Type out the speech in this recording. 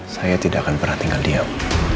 saya tidak akan pernah tinggal diam